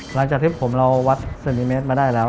หลังจากที่ผมเราวัดเซนติเมตรมาได้แล้ว